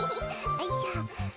よいしょ。